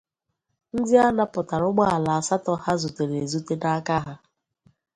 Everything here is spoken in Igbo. ndị a nàpụtara ụgbọala asatọ ha zutere ezute n'aka ha